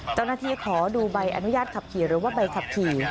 ขอดูใบอนุญาตขับขี่หรือว่าใบขับขี่